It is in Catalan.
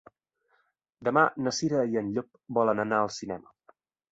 Demà na Cira i en Llop volen anar al cinema.